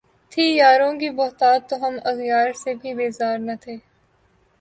تھی یاروں کی بہتات تو ہم اغیار سے بھی بیزار نہ تھے